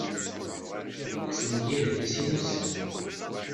Asemgired-is i wussan.